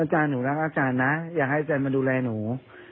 อาจารย์หนูรักอาจารย์นะอยากให้แคลนมาดูแลหนู